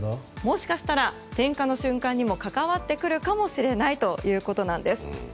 もしかしたら点火の瞬間にも関わってくるかもしれないということです。